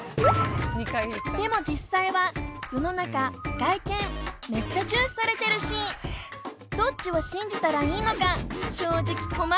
でも実際は世の中外見めっちゃ重視されてるしどっちを信じたらいいのか正直困る。